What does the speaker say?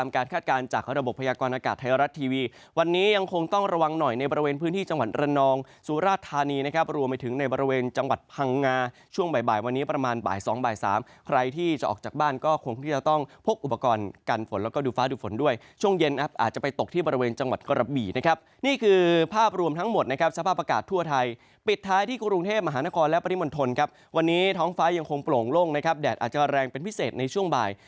การจากระบบพยากรณ์อากาศไทยรัฐทีวีวันนี้ยังคงต้องระวังหน่อยในบริเวณพื้นที่จังหวัดระนองสุราชธานีนะครับรวมไปถึงในบริเวณจังหวัดพังงาช่วงบ่ายวันนี้ประมาณบ่าย๒บ่าย๓ใครที่จะออกจากบ้านก็คงที่จะต้องพกอุปกรณ์กันฝนแล้วก็ดูฟ้าดูฝนด้วยช่วงเย็นอาจจะไปตกที่บริเวณจังหว